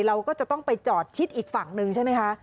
เราก็จะต้องไปจอดชิดอีกฝั่งหนึ่งใช่ไหมคะ